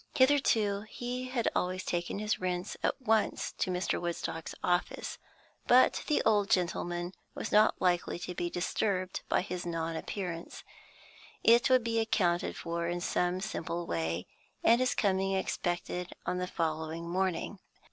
Hitherto he had always taken his rents at once to Mr. Woodstock's office, but the old gentleman was not likely to be disturbed by his non appearance; it would be accounted for in some simple way, and his coming expected on the following morning.